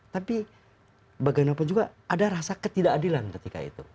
tapi bagaimanapun juga ada rasa ketidakadilan ketika itu